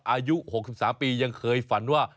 อายุ๖๓ปียังเคยฝันว่า